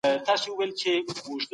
ښايي دا زلمي